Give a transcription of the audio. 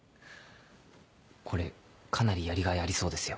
これかなりやりがいありそうですよ。